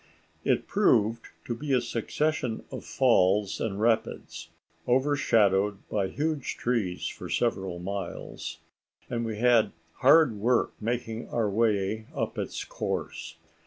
It proved to be a succession of falls and rapids, overshadowed by huge trees for several miles, and we had hard work making our way up its course.